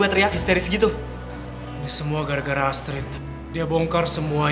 tahan emosi kamu